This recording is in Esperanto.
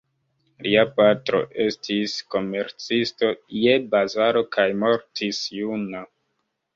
Lia patro estis komercisto je bazaro kaj mortis juna.